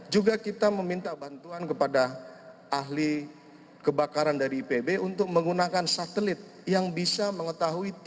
juga kita meminta bantuan kepada ahli kebakaran dari ipb untuk menggunakan satelit yang bisa mengetahui titik